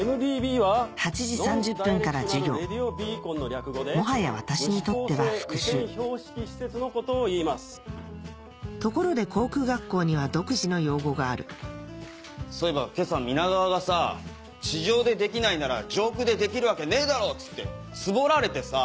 ８時３０分から授業もはや私にとっては復習ところで航空学校には独自の用語があるそういえば今朝皆川がさ「地上でできないなら上空でできるわけねえだろ」っつってツボられてさ。